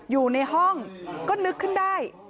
อยู่ในห้องก็นึกขึ้นได้